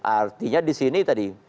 artinya disini tadi